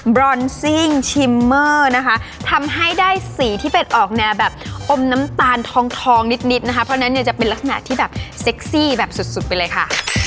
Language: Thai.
บรอนซิ่งชิมเมอร์นะคะทำให้ได้สีที่เป็นออกแนวแบบอมน้ำตาลทองนิดนะคะเพราะฉะนั้นเนี่ยจะเป็นลักษณะที่แบบเซ็กซี่แบบสุดสุดไปเลยค่ะ